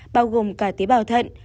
bao gồm cả tế bào thận